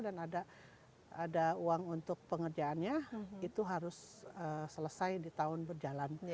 dan ada uang untuk pengerjaannya itu harus selesai di tahun berjalan